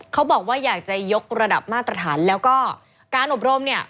เขาบอกว่าอยากจะยกระดับมาตรฐานแล้วก็การอบรมเนี่ย